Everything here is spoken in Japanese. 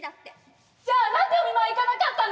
じゃあ何でお見舞い行かなかったの！？